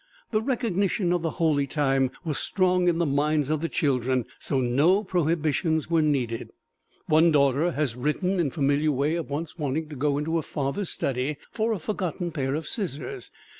The recognition of the "holy time" was strong in the minds of the children, so no prohibitions were needed. One daughter has written in familiar way of once wanting to go into her father's study for a forgotten pair of scissors.